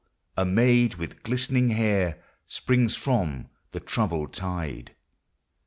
a maid, with glistening hair, Springs from the troubled tide.